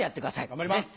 頑張ります。